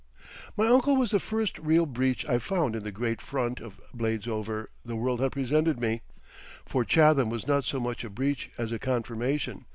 My uncle was the first real breach I found in the great front of Bladesover the world had presented me, for Chatham was not so much a breach as a confirmation.